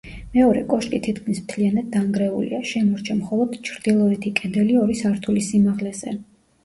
მეორე კოშკი თითქმის მთლიანად დანგრეულია, შემორჩა მხოლოდ ჩრდილოეთი კედელი ორი სართულის სიმაღლეზე.